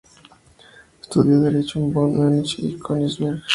Estudió Derecho en Bonn, Múnich y Königsberg.